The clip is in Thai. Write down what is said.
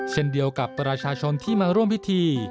เช่นเดียวกับประชาชนที่มาร่วมพิธี